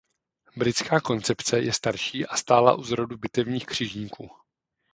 Britská koncepce je starší a stála u zrodu bitevních křižníků.